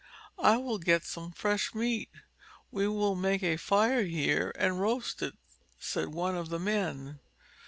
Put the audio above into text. "I will get some fresh meat. We will make a fire here and roast it," said one of the men.